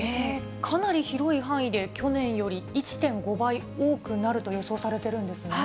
かなり広い範囲で去年より１．５倍多くなると予想されてるんですね。